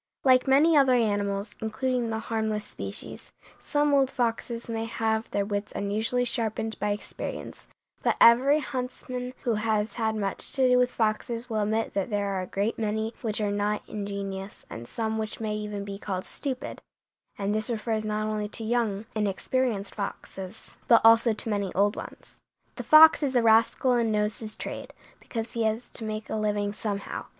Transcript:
Like many other animals, including the harmless species, some old foxes may have their wits unusually sharpened by experience, but every huntsman who has had much to do with foxes will admit that there are a great many which are not ingenious, and some which may even be called stupid, and this refers not only to young, inexperienced foxes, but also to many old ones. The fox is a rascal and knows his trade, because he has to make a living somehow.